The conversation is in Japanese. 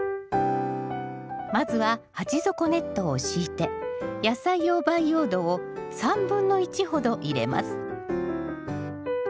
まずは鉢底ネットを敷いて野菜用培養土を３分の１ほど入れます。